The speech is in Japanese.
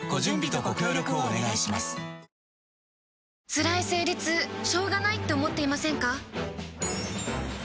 つらい生理痛しょうがないって思っていませんか？